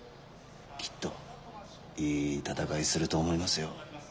きっといい戦いすると思いますよ。